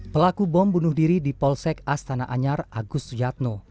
pelaku bom bunuh diri di polsek astana anyar agus suyatno